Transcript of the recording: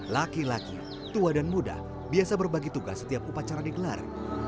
laki laki tua dan muda biasa berbagi tugas setiap upacara digelar